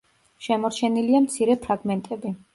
შემორჩენილია მცირე ფრაგმენტები.